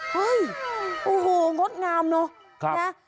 เฮ้ยโอ้โหงดงามเนอะนะ